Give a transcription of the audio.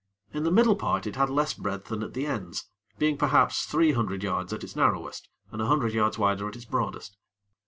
In the middle part it had less breadth than at the ends, being perhaps three hundred yards at its narrowest, and a hundred yards wider at its broadest.